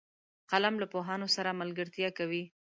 قلم له پوهانو سره ملګرتیا کوي